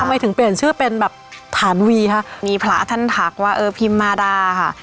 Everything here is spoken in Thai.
ทำไมถึงเปลี่ยนชื่อเป็นแบบฐานวีค่ะมีพระท่านทักว่าเออพิมมาดาค่ะ